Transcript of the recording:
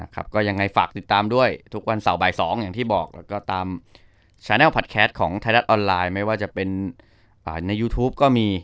ก็ยังไงฝากติดตามด้วยทุกวันเสาร์บ่าย๒อย่างที่บอก